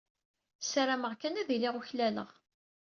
Ssarameɣ kan ad iliɣ uklaleɣ.